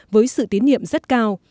với sự tiến niệm rất cao